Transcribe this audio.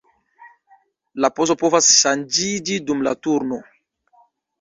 La pozo povas ŝanĝiĝi dum la turno.